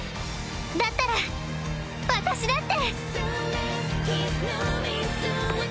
だったら私だって！